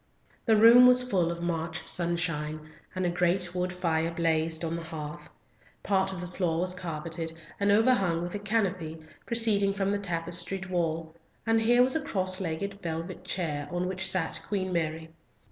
The room was full of March sunshine, and a great wood fire blazed on the hearth. Part of the floor was carpeted, and overhung with a canopy, proceeding from the tapestried wall, and here was a cross legged velvet chair on which sat Queen Mary.